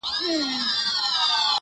د زمري په کابینه کي خر وزیر وو!!